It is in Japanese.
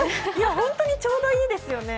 ほんとにちょうどいいですよね。